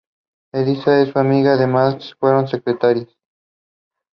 The album drew mixed reactions from the critics.